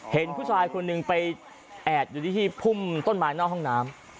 เห็นผู้ชายคนหนึ่งไปแอบอยู่ที่พุ่มต้นไม้นอกห้องน้ำ